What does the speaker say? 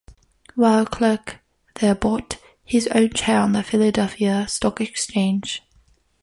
While a clerk there bought his own chair on the Philadelphia Stock Exchange.